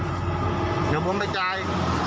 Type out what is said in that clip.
เดี๋ยวผมไปจ่าย